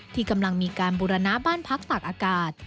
ที่กำลังมีการบูรณะบ้านพักตากอากาศ